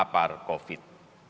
kepada krisis covid sembilan belas